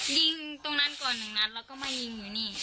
ยิงตรงนั้นก่อนหนึ่งนัดแล้วก็มายิงอยู่นี่